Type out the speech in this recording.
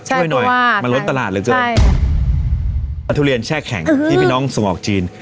ใช่พูดว่ามาลดตลาดหรือเปล่าใช่ทุเรียนแช่แข็งที่พี่น้องส่งออกจีน